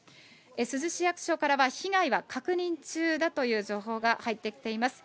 珠洲市役所からは被害は確認中だという情報が入ってきています。